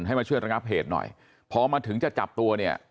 มาช่วยระงับเหตุหน่อยพอมาถึงจะจับตัวเนี่ย